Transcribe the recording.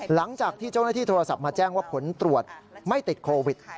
หลังจากที่เจ้าหน้าที่โทรศัพท์มาแจ้งว่าผลตรวจไม่ติดโควิด